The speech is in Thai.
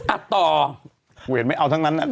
อัตตอผมเห็นไม่เอาทั้งนั้นน่ะ